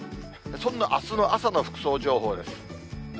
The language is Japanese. そんなあすの朝の服装情報です。